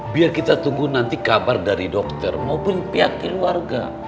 biar kita tunggu nanti kabar dari dokter maupun pihak keluarga